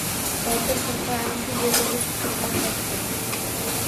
Botir firqa ana shu yerda o‘z fikridan qaytdi.